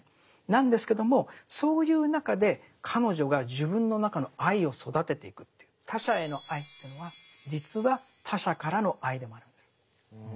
なんですけどもそういう中で彼女が自分の中の愛を育てていくっていう他者への愛というのは実は他者からの愛でもあるんです。